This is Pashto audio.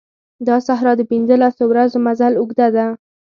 دا صحرا د پنځه لسو ورځو مزل اوږده ده.